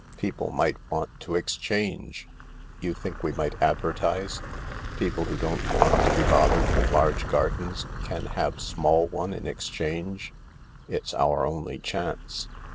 People might want exchange." " You think we might advertise :' People who don't want to be bothered with large gardens can have small one in exchange '? It's our only chance.